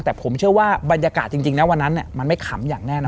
แต่ผมเชื่อว่าบรรยากาศจริงนะวันนั้นมันไม่ขำอย่างแน่นอน